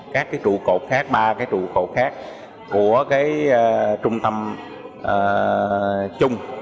các cái trụ cột khác ba cái trụ cột khác của cái trung tâm chung